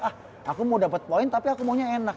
ah aku mau dapet poin tapi aku maunya enak